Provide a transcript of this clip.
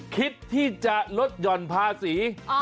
คิดที่จะลดจอดภาษี